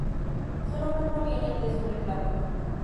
Su nombre proviene de su reclamo.